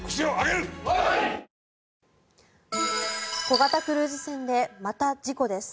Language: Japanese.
小型クルーズ船でまた事故です。